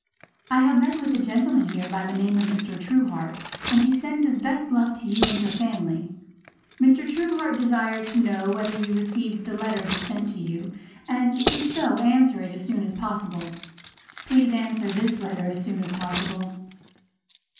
I have met with a gentleman here by the name of Mr. Truehart, and he sends his best love to you and your family. Mr. Truehart desires to know whether you received the letter he sent to you, and if so, answer it as soon as possible. Please answer this letter as soon as possible.